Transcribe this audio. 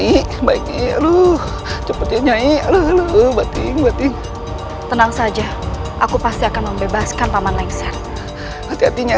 iya loh cepetnya iya loh batin batin tenang saja aku pasti akan membebaskan paman lengser hatinya